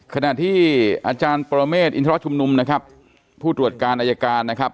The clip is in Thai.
ขณะที่อาจารย์ปรเมฆอินทรชุมนุมนะครับผู้ตรวจการอายการนะครับ